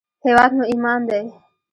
هېواد مو ایمان دی